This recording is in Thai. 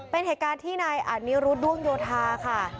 เป็นเหตุการณ์ที่นายอานิรุธด้วงโยธาค่ะ